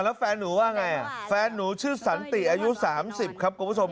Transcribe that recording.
แล้วแฟนหนูว่าไงแฟนหนูชื่อสันติอายุ๓๐ครับคุณผู้ชม